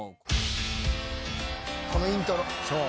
このイントロ。